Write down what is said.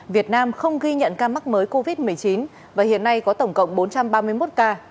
việt nam không ghi nhận ca mắc mới covid một mươi chín và hiện nay có tổng cộng bốn trăm ba mươi một ca